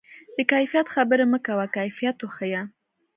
د کیفیت خبرې مه کوه، کیفیت وښیه.